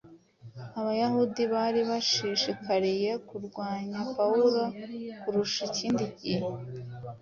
Abayahudi bari bashishikariye kurwanya Pawulo kurusha ikindi gihe,